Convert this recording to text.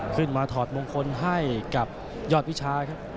ถอดมงคลให้กับยอดวิชาครับ